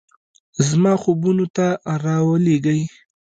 زما خوبونو ته راولیږئ